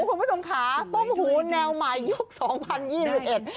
คุณผู้ชมค่ะต้มหูแนวใหม่ยุคสองพันยี่สิบเอ็ด